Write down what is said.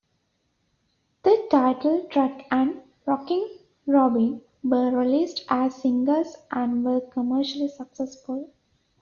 The title track and "Rockin' Robin" were released as singles and were commercially successful.